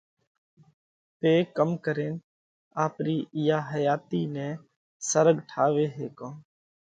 پي ڪم ڪرينَ آپرِي اِيئا حياتِي نئہ سرڳ ٺاوي هيڪونه؟